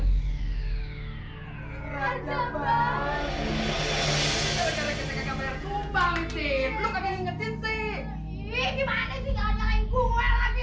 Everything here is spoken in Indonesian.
terjaga jaga merekubang sih lu keingetin sih ini gimana sih nggak lain gue lagi